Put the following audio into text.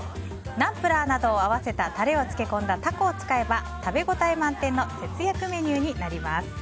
ナンプラーなどを合わせたタレに漬け込んだタコを使えば食べ応え満点の節約メニューになります。